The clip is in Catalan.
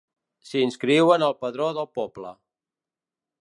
S'inscriuen al padró del poble.